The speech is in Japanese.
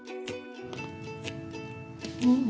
うん。